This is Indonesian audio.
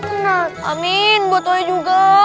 tenang amin buat saya juga